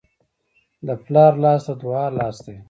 د پلار لاس د دعا لاس دی.